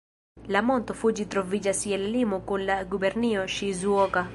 La Monto Fuĝi troviĝas je la limo kun la gubernio Ŝizuoka.